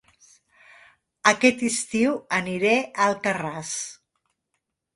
Aquest estiu aniré a Alcarràs